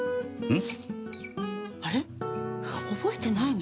ん？